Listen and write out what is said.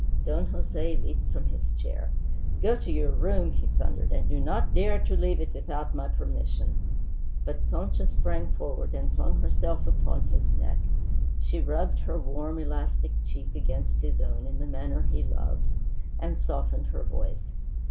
Don Jose leaped from his chair. "Go to your room!" he thundered. "And do not dare to leave it without my permission " But Concha sprang forward and flung herself upon his neck. She rubbed her warm elastic cheek against his own in the manner he loved, and softened her voice.